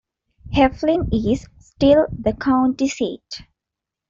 Heflin is still the county seat.